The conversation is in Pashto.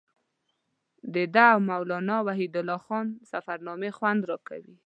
د ده او مولانا وحیدالدین خان سفرنامې خوند راکوي.